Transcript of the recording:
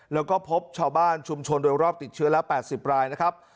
แล้วก็พบชาวบ้านชุมชนโดยรอบติดเชื้อแล้ว๘๐รายนะครับ